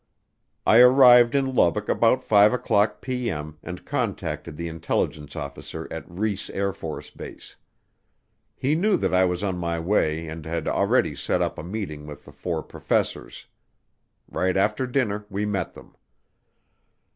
I arrived in Lubbock about 5:00P.M. and contacted the intelligence officer at Reese AFB. He knew that I was on my way and had already set up a meeting with the four professors. Right after dinner we met them.